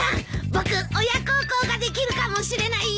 僕親孝行ができるかもしれないよ。